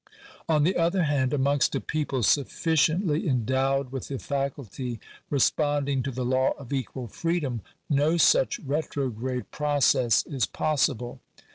On the other hand, amongst a people sufficiently endowed with the faculty responding to the law of equal freedom, no such retrograde process is possible.